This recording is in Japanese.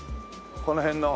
この辺の。